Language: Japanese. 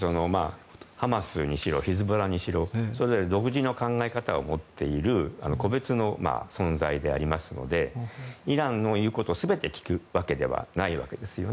ハマスにしろヒズボラにしろ、それぞれ独自の考え方を持っている個別の存在でありますのでイランの言うことを全て聞くわけではないです。